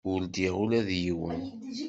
Ur ddiɣ ula d yiwen.